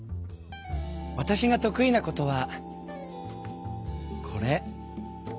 わたしが得意なことはこれ。